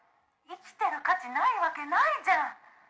「生きてる価値ないわけないじゃん！」